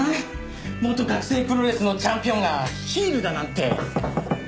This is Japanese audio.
元学生プロレスのチャンピオンがヒールだなんて。